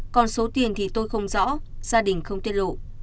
còn số tiền thì tôi không rõ gia đình không tiết lộ